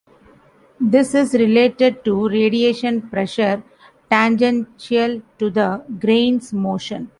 This is related to radiation pressure tangential to the grain's motion.